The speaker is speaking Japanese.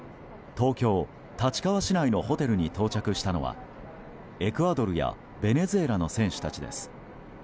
東京・立川市内のホテルに到着したのはエクアドルやベネズエラの選手たちです。